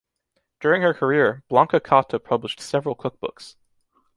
During her career, Blanca Cotta published several cook books.